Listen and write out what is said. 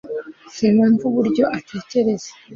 sinumva uburyo atekereza